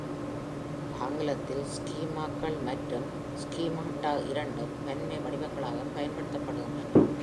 ஆங்கிலத்தில், "ஸ்கீமாக்கள்" மற்றும் "ஸ்கீமாட்டா" இரண்டும் பன்மை வடிவங்களாகப் பயன்படுத்தப்படுகின்றன.